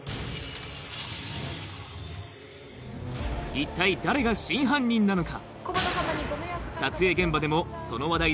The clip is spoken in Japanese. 一体誰が真犯人なのか？